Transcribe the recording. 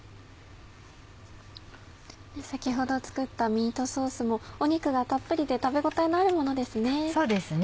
先ほど作ったミートソースも肉がたっぷりで食べ応えのあるものですね。